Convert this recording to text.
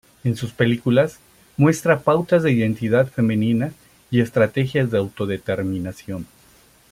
En sus películas, muestra pautas de identidad femenina y estrategias de auto-determinación.